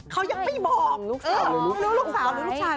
เขายังไม่บอกลูกสาวหรือลูกชาย